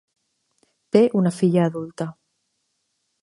Té una filla adulta.